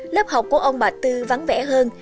lớp học của ông bà tư vắng vẻ hơn